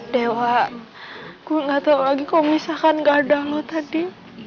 dewa gue gak tau lagi kok misalkan gak ada lo tadi